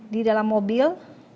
di dalam mobil